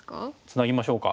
ツナぎましょうか。